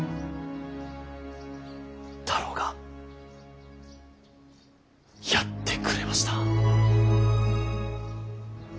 太郎がやってくれました。